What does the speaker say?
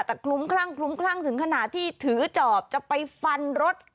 แต่คลุ้มคลั่งคลุ้มคลั่งถึงขนาดที่ถือจอบจะไปฟันรถ